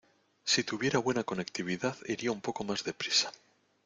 Si tuviera buena conectividad iría un poco más deprisa.